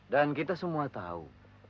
dan kita semua tahu